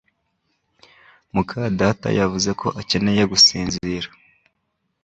muka data yavuze ko akeneye gusinzira